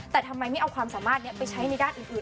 แต่ทำไมไม่เอาความสามารถนี้ไปใช้ในด้านอื่น